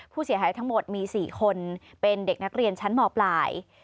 ผู้เสียหายทั้งหมดมี๔คนเป็นเด็กนักเรียนชั้นมปลาย